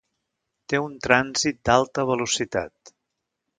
Té un trànsit d'alta velocitat.